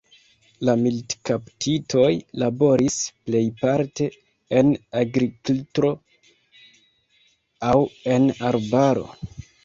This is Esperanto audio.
La militkaptitoj laboris plejparte en agrikltro aŭ en arbaro.